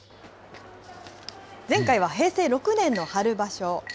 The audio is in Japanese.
前回は平成６年の春場所。